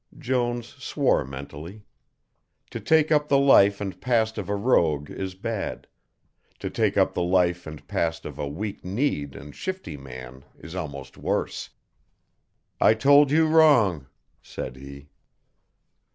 Jones swore mentally. To take up the life and past of a rogue is bad, to take up the life and past of a weak kneed and shifty man is almost worse. "I told you wrong," said he.